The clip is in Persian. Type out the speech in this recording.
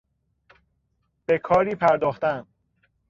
به کاری پرداختن